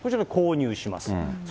こちら購入します。